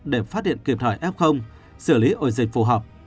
để phát hiện kịp thời f xử lý ổ dịch phù hợp